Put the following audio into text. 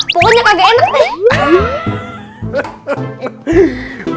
pokoknya kagak enak deh